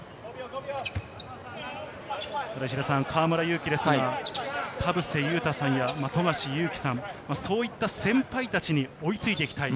河村勇輝ですが、田臥勇太さんや富樫勇樹さん、そういった先輩たちに追いついていきたい。